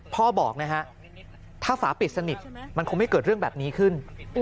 พ่อบอกนะฮะถ้าฝาปิดสนิทมันคงไม่เกิดเรื่องแบบนี้ขึ้น